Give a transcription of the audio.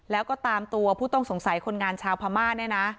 แล้วก็ตามตัวผู้ต้องสงสัยคนงานชาวพม่าเนี่ยนะ